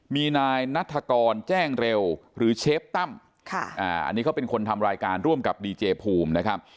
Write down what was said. มีนายนัฐกรแจ้งเร็วหรือเชฟตั้มอันนี้เขาเป็นคนทำรายการร่วมกับดีเจภูมินะครับ